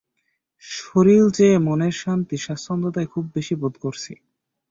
শরীর চেয়ে মনের শান্তি-স্বচ্ছন্দতাই খুব বেশী বোধ করছি।